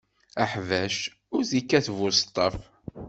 Aḥbac ur t-ikkat buseṭṭaf.